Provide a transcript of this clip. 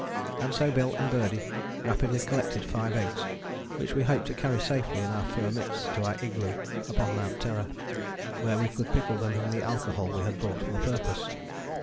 And so Bill and Birdie rapidly collected five eggs, which we hoped to carry safely in our fur mitts to our igloo upon Mount Terror, where we could pickle them in the alcohol we had brought for the purpose.